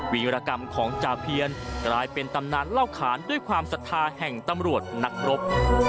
วีรกรรมของจาเพียนกลายเป็นตำนานเล่าขานด้วยความศรัทธาแห่งตำรวจนักรบ